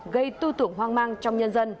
gây tư tưởng hoang mang trong nhân dân